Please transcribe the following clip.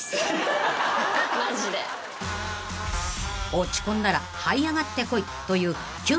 ［落ち込んだらはい上がってこいという］